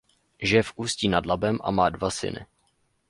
Žije v Ústí nad Labem a má dva syny.